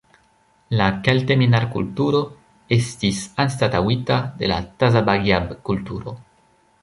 La Kelteminar-kulturo estis anstataŭita de la Tazabagjab-kulturo.